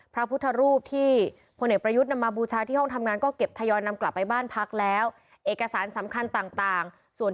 พระพุทธรูปที่พระเนธประยุทธนำมาบูชางงาน